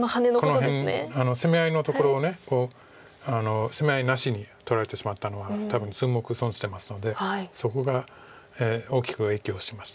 この辺攻め合いのところを攻め合いなしに取られてしまったのは多分数目損してますのでそこが大きく影響しました。